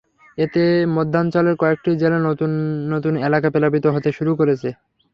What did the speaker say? এতে মধ্যাঞ্চলের কয়েকটি জেলার নতুন নতুন এলাকা প্লাবিত হতে শুরু করেছে।